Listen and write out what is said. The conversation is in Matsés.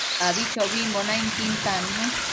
Abichobimbo nainquin tannu